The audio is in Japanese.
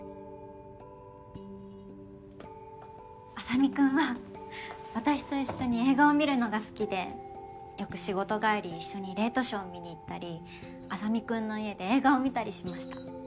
莇君は私と一緒に映画を見るのが好きでよく仕事帰り一緒にレイトショーを見に行ったり莇君の家で映画を見たりしました。